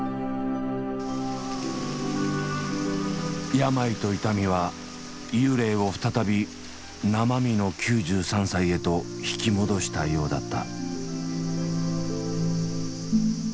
病と痛みは幽霊を再び生身の９３歳へと引き戻したようだった。